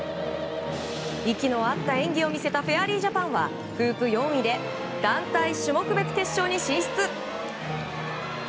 息の合った演技を見せたフェアリージャパンはフープ４位で団体種目別決勝に進出。